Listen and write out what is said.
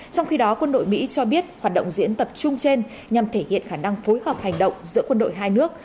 trong khi đó quân đội mỹ cho biết hoạt động diễn tập chung trên nhằm thể hiện khả năng phối hợp hành động giữa quân đội hai nước